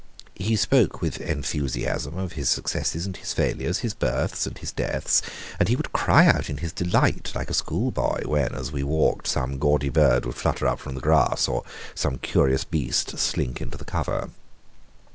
He spoke with enthusiasm of his successes and his failures, his births and his deaths, and he would cry out in his delight, like a schoolboy, when, as we walked, some gaudy bird would flutter up from the grass, or some curious beast slink into the cover.